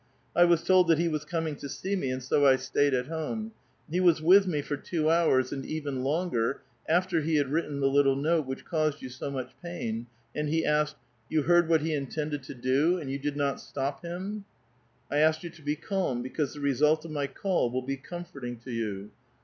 I was told that he was com ing to see me, and so I stayed at home ; he was with me for two hours, and even longer, after he had written the little note which caused you so much pain, and he asked —"*' You heard what he intended to do, and you did not stop him ?"" I asked you to be calm, because the result of my call will be comforting to you.